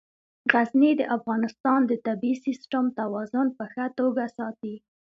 غزني د افغانستان د طبعي سیسټم توازن په ښه توګه ساتي.